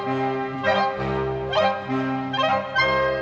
โปรดติดตามต่อไป